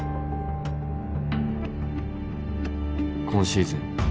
今シーズン